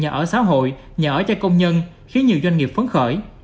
nhà ở xã hội nhà ở cho công nhân khiến nhiều doanh nghiệp phấn khởi